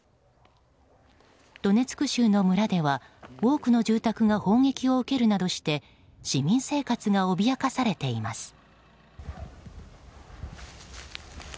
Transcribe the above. ドネツク州の村では多くの住宅が砲撃を受けるなどして市民生活が脅かされています。